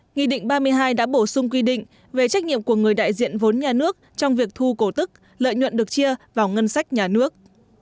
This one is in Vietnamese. nghị định ba mươi hai đã bổ sung quy định về trách nhiệm của người đại diện vốn nhà nước trong việc thu cổ tức lợi nhuận được chia vào ngân sách nhà nước